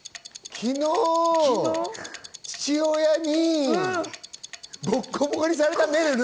昨日、父親にボッコボコにされためるる。